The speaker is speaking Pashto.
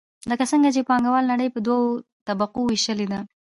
لکه څنګه چې پانګواله نړۍ په دوو طبقو ویشلې ده.